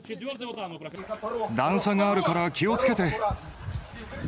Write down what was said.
段差があるから気をつけて。